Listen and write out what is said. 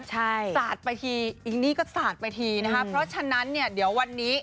ใช่สาดไปทีอินนี่ก็สาดไปทีนะคะเพราะฉะนั้นเนี่ยเดี๋ยววันนี้